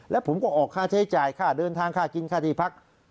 แล้วผมก็ออกค่าใช้จ่ายค่าเดินทางค่ากินค่าที่พัก